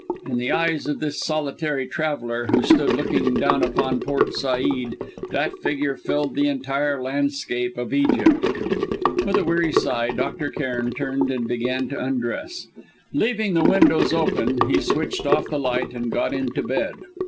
In the eyes of this solitary traveller, who stood looking down upon Port Said, that figure filled the entire landscape of Egypt! With a weary sigh, Dr. Cairn turned and began to undress. Leaving the windows open, he switched off the light and got into bed.